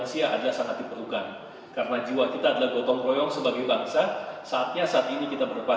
silakan jawab di kolom komentar aficioning video ini terdapat di klik gambar